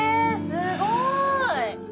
すごい！